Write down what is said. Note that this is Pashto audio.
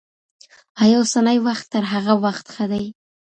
آيا اوسنی وخت تر هغه وخت ښه دی؟